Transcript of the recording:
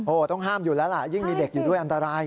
ต้องห้ามอยู่แล้วล่ะยิ่งมีเด็กอยู่ด้วยอันตราย